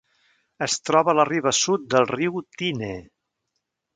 Es troba a la riba sud del riu Tyne.